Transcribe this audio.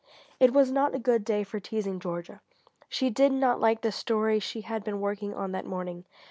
It was not a good day for teasing Georgia. She did not like the story she had been working on that morning.